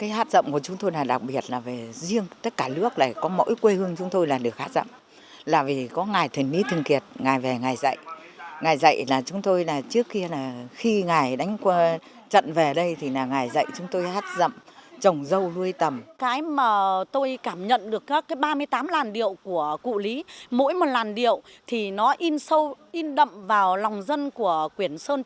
hát giọng như cuốn lịch sử bằng âm nhạc ghi lại những ngày tháng còn sơ khai của hồng hoang lịch sử con người quyền sơn